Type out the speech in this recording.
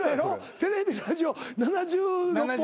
テレビラジオ７６本？